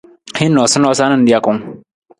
Hin noosanoosa na nijakung.